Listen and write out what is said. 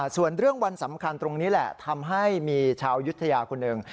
ส่วนเรื่องวันสำคัญตรงนี้แหละทำให้มีชาวยุธยาคนหนึ่ง